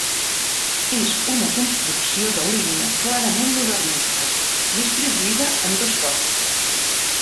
És una construcció de línies clarament modernistes, distribuïda en dos cossos.